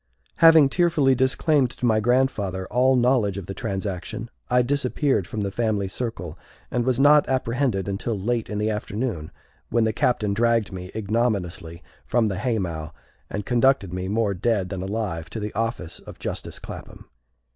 Having tearfully disclaimed to my grandfather all knowledge of the transaction, I disappeared from the family circle, and was not apprehended until late in the afternoon, when the Captain dragged me ignominiously from the haymow and conducted me, more dead than alive, to the office of justice Clapham.